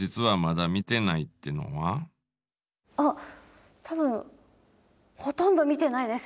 あ多分ほとんど見てないです。